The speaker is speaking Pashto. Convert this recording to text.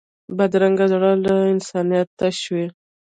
بدرنګه زړه له انسانیت تش وي